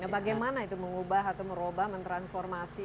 bagaimana itu mengubah atau merubah mentransformasi